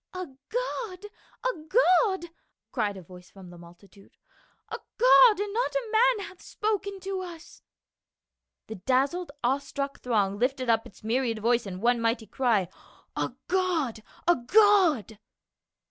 "A god ! A god !" cried a voice from the multi tude. "A god and not a man hath spoken to us !" The dazzled, awe struck throng lifted up its myriad voice in one mighty cry. " A god ! A god